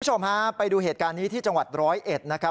คุณผู้ชมฮะไปดูเหตุการณ์นี้ที่จังหวัดร้อยเอ็ดนะครับ